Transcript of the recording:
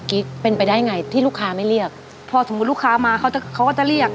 กิ๊กเป็นไปได้ไงที่ลูกค้าไม่เรียกพอสมมุติลูกค้ามาเขาจะเขาก็จะเรียก